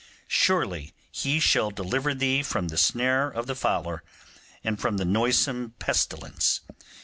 Surely He shall deliver thee from the snare of the fowler, and from the noisome pestilence.